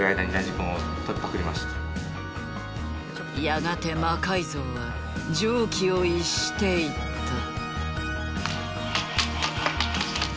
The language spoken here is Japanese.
やがて魔改造は常軌を逸していった。